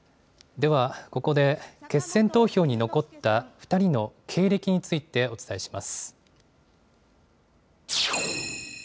では、ここで決選投票に残った２人の経歴についてお伝えします。